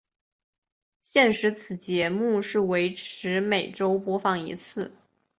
现时此节目是维持每周播放一次。